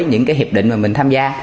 những cái hiệp định mà mình tham gia